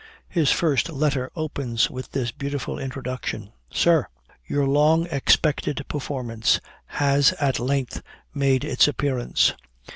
His first letter opens with this beautiful introduction: "Sir Your long expected performance has at length made its appearance.